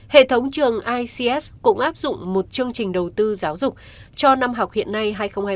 hệ thống trường ics cũng áp dụng một chương trình đầu tư giáo dục cho năm học hiện nay hai nghìn hai mươi ba hai nghìn hai mươi bốn